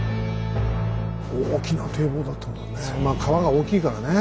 大きな堤防だったんだねえ。